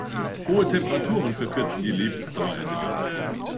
Hohe Temperaturen verkürzen die Lebensdauer enorm.